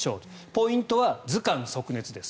ポイントは頭寒足熱です。